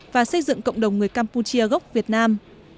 và xây dựng cộng đồng người campuchia gốc việt nam